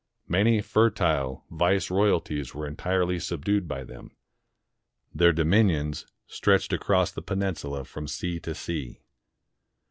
Many fertile vice royalties were entirely subdued by them. Their dominions stretched across the peninsula from sea to sea.